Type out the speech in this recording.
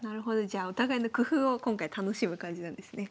じゃあお互いの工夫を今回楽しむ感じなんですね。